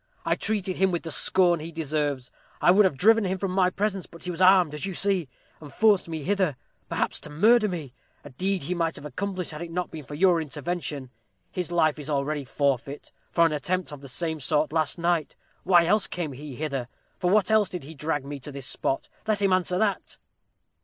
I treated him with the scorn he deserved. I would have driven him from my presence, but he was armed, as you see, and forced me hither, perhaps to murder me; a deed he might have accomplished had it not been for your intervention. His life is already forfeit, for an attempt of the same sort last night. Why else came he hither? for what else did he drag me to this spot? Let him answer that!"